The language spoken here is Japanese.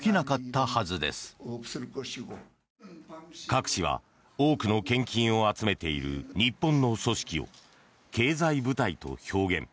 カク氏は多くの献金を集めている日本の組織を経済部隊と表現。